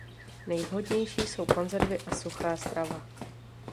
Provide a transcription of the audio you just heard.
Nejvhodnější jsou konzervy a suchá strava.